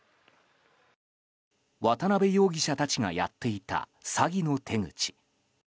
渡邉容疑者たちがやっていた詐欺の手口。